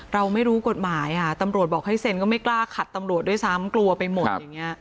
เราไม่รู้กฎหมายตำรวจบอกให้เซ็นก็ไม่กล้าขัดตำรวจด้วยซ้ำกลัวไปหมดอย่างนี้